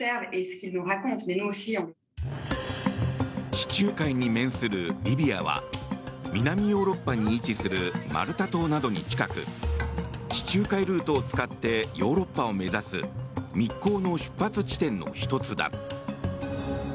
地中海に面するリビアは南ヨーロッパに位置するマルタ島などに近く地中海ルートを使ってヨーロッパを目指す密航の出発地点の１つだ。